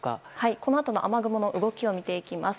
このあとの雨雲の動きを見ていきます。